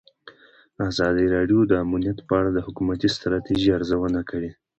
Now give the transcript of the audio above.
ازادي راډیو د امنیت په اړه د حکومتي ستراتیژۍ ارزونه کړې.